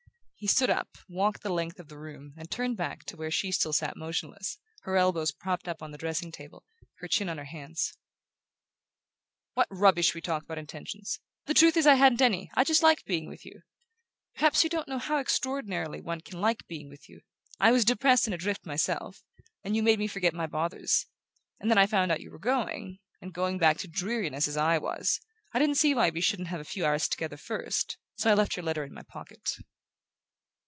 He stood up, walked the length of the room, and turned back to where she still sat motionless, her elbows propped on the dressing table, her chin on her hands. "What rubbish we talk about intentions! The truth is I hadn't any: I just liked being with you. Perhaps you don't know how extraordinarily one can like being with you...I was depressed and adrift myself; and you made me forget my bothers; and when I found you were going and going back to dreariness, as I was I didn't see why we shouldn't have a few hours together first; so I left your letter in my pocket."